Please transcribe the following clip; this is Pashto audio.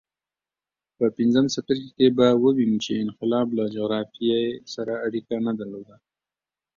په پنځم څپرکي کې به ووینو چې انقلاب له جغرافیې سره اړیکه نه درلوده.